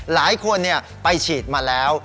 หลายคนไปฉีดมาแล้ว